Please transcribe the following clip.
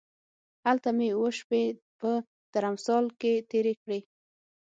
هلته مې اووه شپې په درمسال کې تېرې کړې.